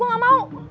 gue gak mau